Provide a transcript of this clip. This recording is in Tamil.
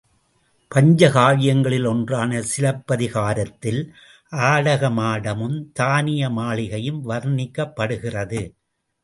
பஞ்ச காவியங்களில் ஒன்றான சிலப்பதிகாரத்தில் ஆடகமாடமும், தானிய மாளிகையும் வர்ணிக்கப்படுகிறது.